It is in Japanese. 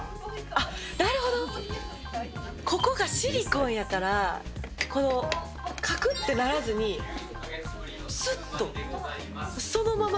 あっ、なるほど、ここがシリコンやから、こう、かくってならずに、すっとそのまま、